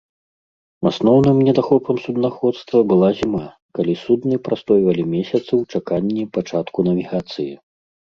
Асноўным недахопам суднаходства была зіма, калі судны прастойвалі месяцы ў чаканні пачатку навігацыі.